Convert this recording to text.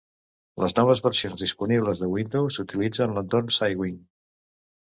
Les noves versions disponibles de Windows utilitzen l'entorn Cygwin.